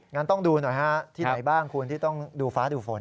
งั้นต้องดูหน่อยฮะที่ไหนบ้างคุณที่ต้องดูฟ้าดูฝน